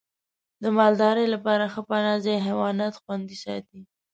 د مالدارۍ لپاره ښه پناه ځای حیوانات خوندي ساتي.